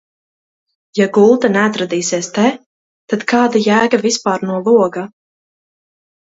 Ja gulta neatradīsies te, tad kāda jēga vispār no loga?